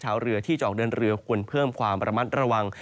ชาวเรือที่จะออกเดินเรือควรเพิ่มความระมัดระวัง